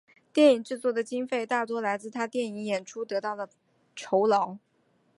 电影制作的经费大多来自他电影演出得到的酬劳。